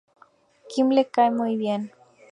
Kim le cae muy bien.